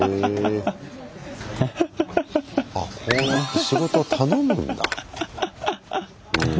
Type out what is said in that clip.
あこうやって仕事を頼むんだ。